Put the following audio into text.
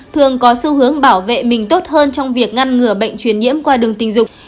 thường có xu hướng bảo vệ mình tốt hơn trong việc ngăn ngừa bệnh truyền nhiễm qua đường tình dục